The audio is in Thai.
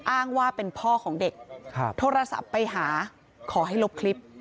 อ้างว่าเป็นพ่อของเด็กโทรศัพท์ไปหาขอให้ลบคลิป